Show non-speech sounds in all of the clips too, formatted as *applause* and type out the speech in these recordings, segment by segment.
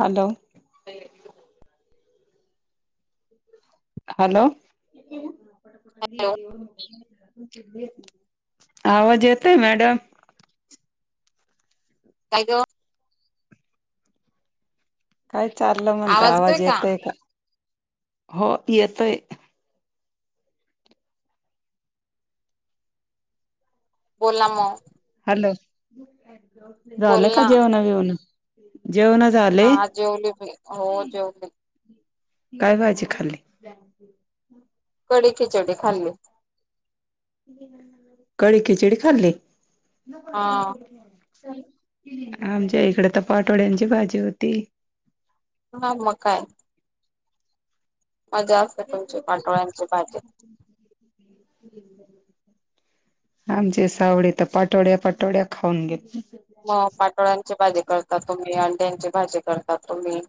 Hello hello hello आवाज येतय madam काय तो काय चाललं म्हणत आवाज येतोय का हो येतोय बोलला मग हॅलो बोल झालं का ना जेवण जेवण जेवण झालं हा जेवले बी हो जेवले गावा आजी खाली जा कडी खिचडी खाल्ली कळीी खिचडी खाल्ली हा आमच्या इकडे तर पाठोड्यांची भाजी होती हा म काय मजा असते तुमची पाटोळ्यांची भाजी आमचे सावळे तर पाटोड्या पाटोड्या खाऊन घेत मग पाटोळ्यांची भाजी करता तुम्ही अंड्यांची भाजी करता तुम्ही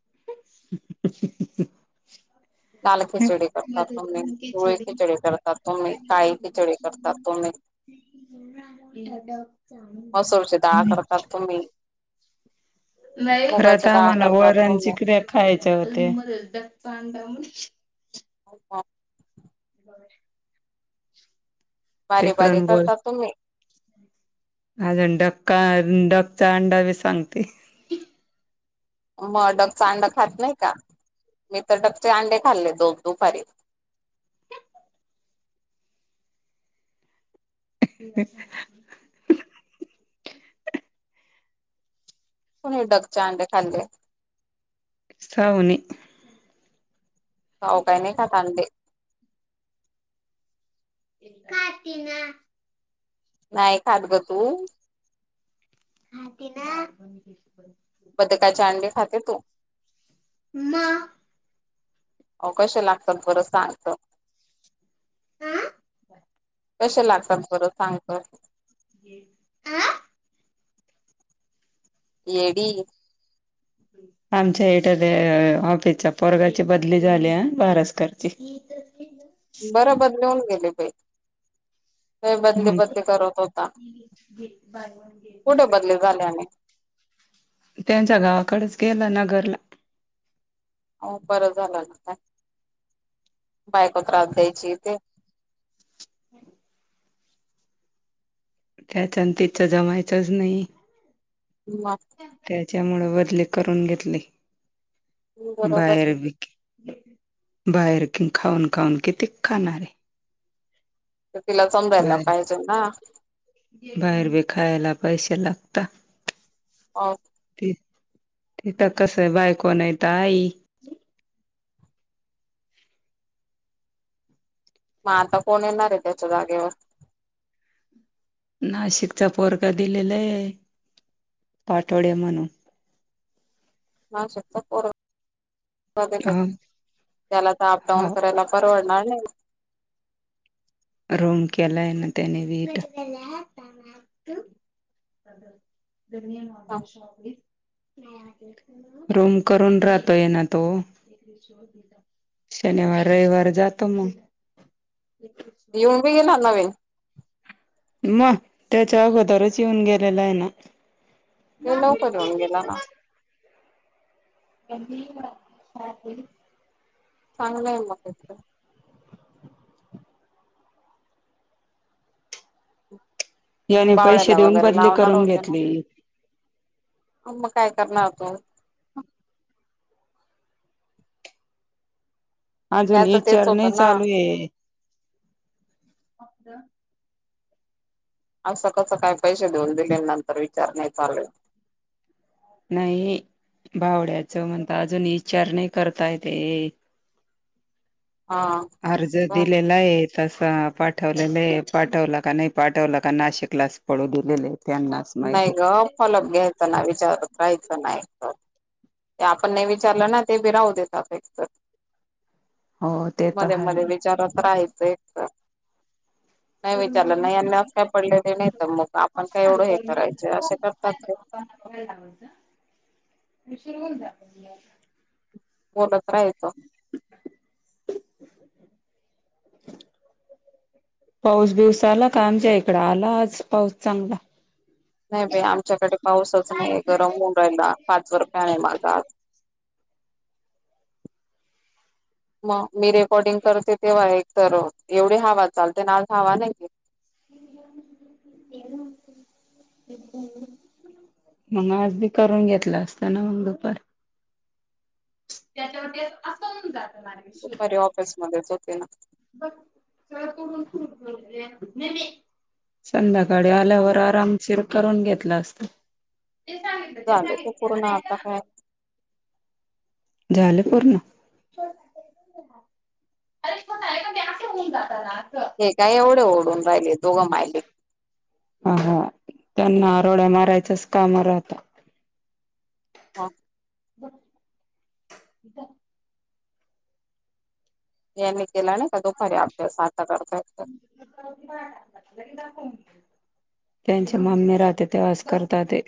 *unintelligible* लाल खिचडी करतात तोम्ही पळी खिचडी करतात तो्ही काळी खिचडी करतात तुम्ही? *unintelligible* तुमही? खरत आम्हाला वरांची तुम्ही कडे्या खायच्या होते. हो काा? *unintelligible* बर बर तिकडून करताात तुम्ही? अजण क डगचा अंडा बी सांगते. मग डगचा अंड खात नाही का मी तर डगचे अंडे खाल्ले दोन दुपारी ह. कोुणी डगच्या आण खाल्ले. साऊणे. होकाय नाही कदंे. काट ना. नाही खात ग तू ह तिन बदकाचे अंडी खाते तू? *unintelligible* हो कसे लागतात बर सांगत. कसे लागतात बरं सांगत. ह. येडी. आमच्या इट ऑफिसच्या पोरगाची बदली झाली बारसकरची बरोबर नेऊन गेले प का बदली मग बदली करत होता कुठे बदली झाल्याने त्यांच्या गावाकडेच गेलं नगरला हो बरं झालंता बायको त्रास द्यायची इ तेे त्याच्यान तिचं जमायचंच नाही. ह वा. त्याच्यामु बदली करून घेतली बरोबर बाहेर बी बाहेर कि खाऊन खाऊन किती खाणारे तर तिला समजायला बाहेर पाहिजे ना. बाहेर ब खायला पैसे लागतात. अ तिथ कस आहे बायकोन येत आई. मग आता कोण येणार आहे त्याच्या जागेवर नाशिकचा पोरका दिलेलाय पाठोड्या म्हणून शक ह त्याला तर अपडाऊन हो करायला परवाडणार नाही. रोम केला येन त्यांनी वीट अ धनय मग दोष होली रोम करून राहतोय ना तो शनिवार रविवार जातो मग येऊन बी गेला नवीन मग त्याच्या अगोदरच येऊन गेलेला आहे ना. त लवकर येऊन गेला ना. *unintelligible* चांगलंय मग त्याथं याने पैसे बावड्याला देऊन वगैरे बदली लावणार करून होते ना घेतली. मग काय करणार तो हम. हजून त्याच तेच नचर नाही होतं ना चालू आहे. असं कसं काय पैसे देऊन दिले नंतर विचार नाही चालेूल. नाही बावड्याच म्हणता अजून विचार नाही करता येत. हा. अर्ज दिले. लाय तस पाठवलेले पाठवलं का नाही पाठवलं का ना अशे क्लास पळू दिलेले त्यांना. नाही ग फलप घ्यायच ना विचारतयच ना. ते आपण नाही विचारलं ना ते भिराहू देतात तर. हो ते तर मध्ये आहे मध्ये विचारात राहायचे. नाही विचारलं नाही अनास काय पडलेले नाही तर मग आपण काय एवढं हे. करायचे असे करतात ते यला लावा शरवून जा. बोलत राहायचो. *unintelligible* पाऊस बिऊस आला का आमच्या इकड आला आज पाऊस चांगला. नाही बा आमच्याकडे पाऊसच नाही गरम होऊन राहिला पाच वर प्याने माझा. *unintelligible* मग मी रेकॉर्डिंग करते तेव्हा एक तर एवढी हवा चालते ना आज हवा नाहीे. ये. मग आज बी करून घेतला असताना मग दुपार, त्याच्यावर असून जात. परी ऑफिसमध्येच होते ना. बघ तो. संध्याकाळी आल्यावर आरामशीर करून घेतला असत. झालं ते पूर्ण आता काय. झालं पूर्ण. अरेश मण आहेऐ का मी असे होऊन जातात. हे काय एवढे ओढून राहिले दोघं मायले. ह हा त्यांना आरोड्या मारायचाच काम राहत. हा यांनी केला नाही का दुपारी अभ्यास आता करतायेत. दावून. त्यांची मम्मी राहते तेव्हास करत ते.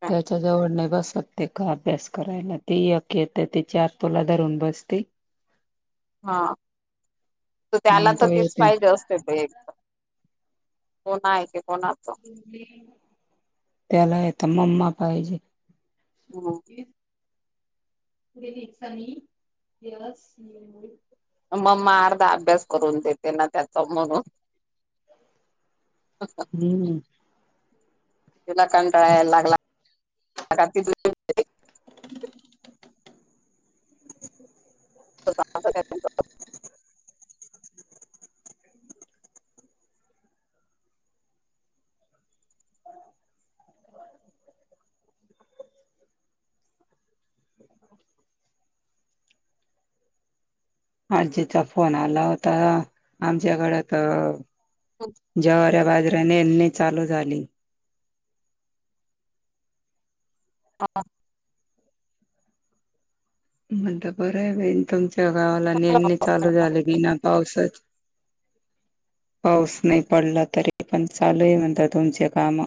ह त्याच्या जवळने बसत ते का अभ्यास करायला ती अ येत त्याच्या आतोला धरून बसते. *inaudible* हा तर त्याला आणि तर तो तेच येते पाहिजे असत. एक कोण आहे क कोणातो. त्याला यता मम्मा पाहिजे. हो. पुेली दिस. मम्मा अर्धा अभ्यास करून देते ना त्याचा म्हणून. हम्म *unintelligible* तुला कंटाळायला लागला. काय. आजजीचा फोन आला होता आमच्याकड तर. जवऱ्या बाजऱ्यानेनी चालू झाली. हां. ता बर ब. तुमच्या गावाला नेणे चालू झाले की ना पावसच पाऊस नाही पडला तरी पण चालू आहे म्हणतात तुमचे काम.